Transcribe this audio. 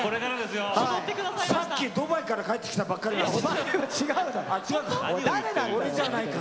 さっきドバイから帰ってきたばかりだから。